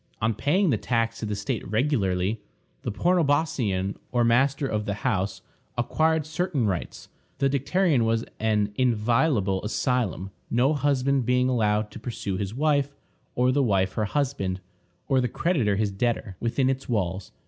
On paying the tax to the state regularly, the pornobosceion, or master of the house, acquired certain rights. The dicterion was an inviolable asylum, no husband being allowed to pursue his wife, or the wife her husband, or the creditor his debtor, within its walls.